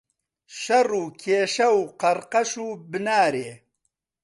شەڕ و کێشە و قەڕقەش و بنارێ.